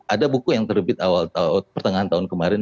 ada buku yang terbit pertengahan tahun kemarin